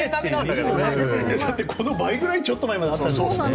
だってこの倍ぐらいちょっと前まであったんですよね。